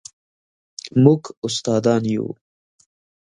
موږ استادان یو